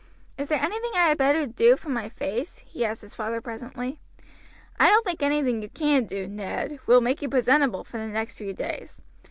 "Is there anything I had better do for my face?" he asked his father presently. "I don't think anything you can do, Ned, will make you presentable for the next few days.